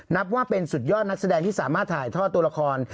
นับว่าเป็นสุดยอดนักแสดงที่สามารถถ่ายทอดตัวละคร